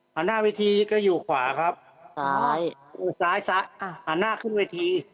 หน้าเวทีก็อยู่ขวาครับซ้ายอยู่ซ้ายซะหันหน้าขึ้นเวที